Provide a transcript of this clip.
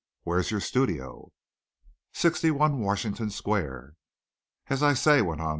Where is your studio?" "61 Washington Square." "As I say," went on M.